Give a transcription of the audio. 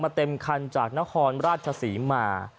เต็มคันจากนครราชศรีมา